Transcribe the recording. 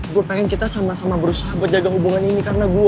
gue pengen kita sama sama berusaha menjaga hubungan ini karena gue